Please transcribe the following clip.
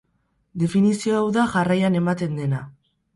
Definizio hau da jarraian ematen dena.